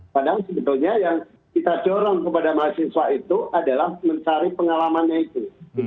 padahal sebetulnya yang kita dorong kepada mahasiswa itu adalah mencari pengalamannya itu